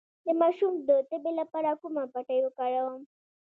د ماشوم د تبې لپاره کومه پټۍ وکاروم؟